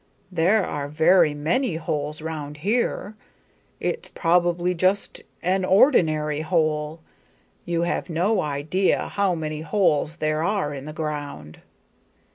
There are very many holes round here. It's probably just an ordinary hole. You have no idea how many holes there are in the ground."